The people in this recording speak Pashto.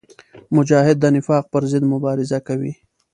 مجاهد د نفاق پر ضد مبارزه کوي.